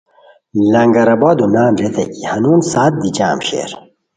لنگر آبادو نان ریتائے کی ہنون ساعت دی جم